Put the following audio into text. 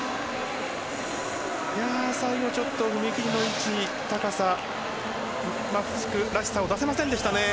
最後、ちょっと踏み切りの位置、高さマフチフらしさを出せませんでしたね。